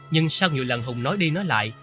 nhưng sau nhiều lần hùng nói đi nói lại